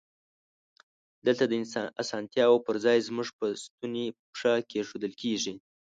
دلته د اسانتیاوو پر ځای زمونږ په ستونی پښه کېښودل کیږی.